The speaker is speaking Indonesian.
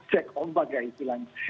cek ombak ya itu lagi